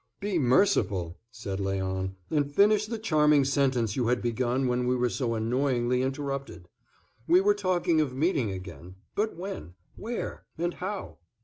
"Be merciful," said Léon, "and finish the charming sentence you had begun when we were so annoyingly interrupted. We were talking of meeting again. But when? Where? And how?